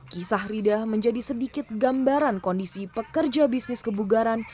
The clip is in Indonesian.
kisah rida menjadi sedikit gambaran kondisi pekerja bisnis kebugaran